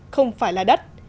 không phải là đất